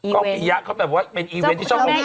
จอแม่นอีเว้น